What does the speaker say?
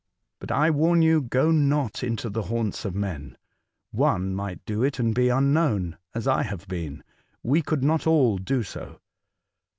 But I warn you, go not into the haunts of men . One might do it and be unknown, as I have been ; we could not all do so."